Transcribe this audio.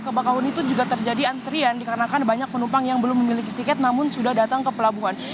kebakaran itu juga terjadi antrian dikarenakan banyak penumpang yang belum memiliki tiket namun sudah datang ke pelabuhan